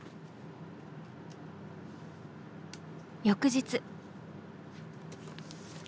翌日。